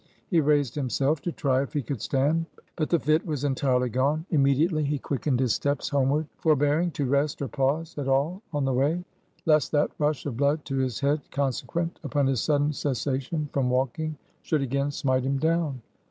He raised himself to try if he could stand; but the fit was entirely gone. Immediately he quickened his steps homeward, forbearing to rest or pause at all on the way, lest that rush of blood to his head, consequent upon his sudden cessation from walking, should again smite him down.